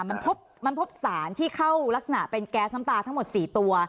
มันพบสารที่เข้ารักษณะเป็นแก๊สน้ำตาทั้งหมด๔ตัว